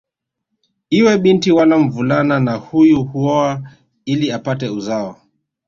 Iwe binti wala mvulana na huyu huoa ili apate uzao